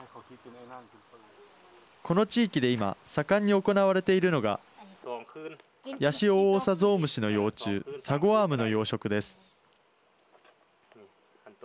この地域で今盛んに行われているのがヤシオオオサゾウムシの幼虫サゴワームの養殖です。